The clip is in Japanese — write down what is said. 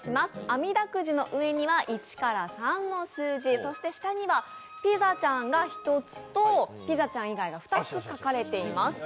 あみだくじの上には１から３の数字そして下にはピザちゃんが１つとピザちゃん以外が２つ書かれています。